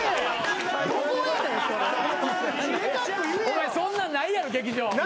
お前そんなんないやろ劇場。